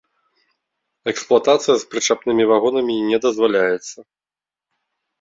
Эксплуатацыя з прычапнымі вагонамі не дазваляецца.